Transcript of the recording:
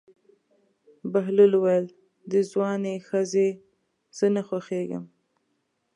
بهلول وویل: د ځوانې ښځې زه نه خوښېږم.